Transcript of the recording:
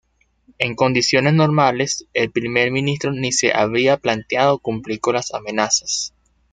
En condiciones normales, el Primer Ministro ni se habría planteado cumplir con las amenazas.